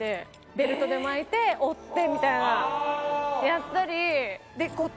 ベルトで巻いて折ってみたいなやったり。